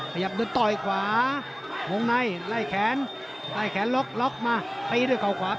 ประยับโดยตอยความนายไล่แขนไล่แขนล็อคมา